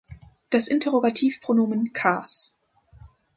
Das Interrogativpronomen "kas?